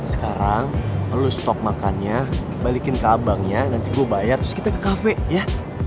sekarang lalu stok makannya balikin ke abangnya nanti gue bayar terus kita ke cafe ya